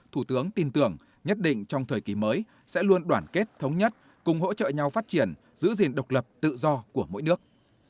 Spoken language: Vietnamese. thủ tướng tin tưởng nhất định trong thời kỳ mới sẽ luôn đoàn kết thống nhất cùng hỗ trợ nhau phát triển giữ gìn độc lập tự do của mỗi nước